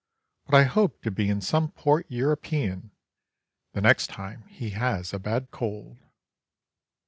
But I hope to be in some port European The next time he has a bad cold.